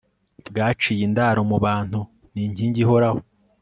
bwaciye indaro mu bantu, ni inkingi ihoraho